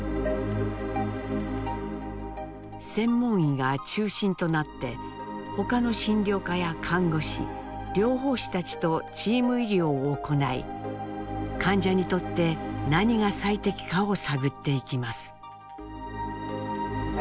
専門医が中心となって他の診療科や看護師療法士たちとチーム医療を行い患者にとって何が最適かを探っていきます。